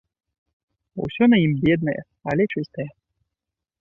Усё на ім беднае, але чыстае.